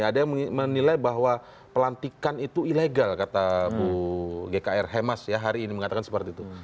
ada yang menilai bahwa pelantikan itu ilegal kata bu gkr hemas ya hari ini mengatakan seperti itu